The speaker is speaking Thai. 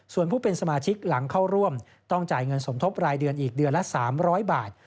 ส่วนผู้เป็นสมาชิกหลังเข้าร่วมต้องจ่ายเงินสมทบรายเดือนอีกเดือนละ๓๐๐บาท